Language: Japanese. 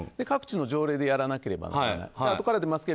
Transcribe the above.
各地の条例でやらなければならない。